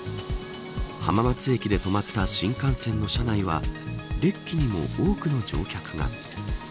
浜松駅で止まった新幹線の車内はデッキにも多くの乗客が。